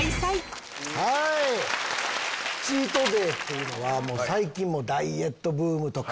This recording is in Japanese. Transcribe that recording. チートデイっていうのは最近ダイエットブームとか。